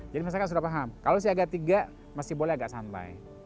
jadi misalkan sudah paham kalau siaga tiga masih boleh agak santai